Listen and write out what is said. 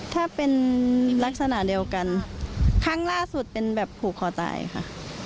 ถ้าเป็นลักษณะเดียวกันครั้งล่าสุดเป็นแบบผูกคอตายค่ะ